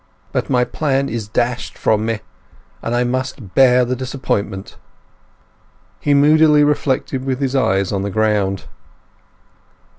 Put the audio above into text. But my plan is dashed from me; and I must bear the disappointment!" He moodily reflected with his eyes on the ground.